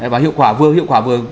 và hiệu quả vừa hiệu quả vừa